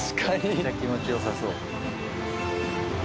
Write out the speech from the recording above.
めっちゃ気持ち良さそう。